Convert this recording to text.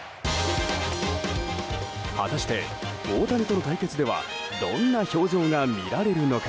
果たして大谷との対決ではどんな表情が見られるのか。